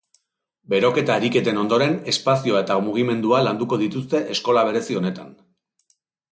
Beroketa ariketen ondoren, espazioa eta mugimendua landuko dituzte eskola berezi honetan.